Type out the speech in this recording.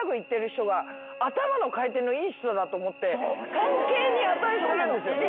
尊敬に値するんですよ。